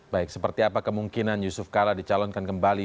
baik seperti apa kemungkinan yusuf kala dicalonkan kembali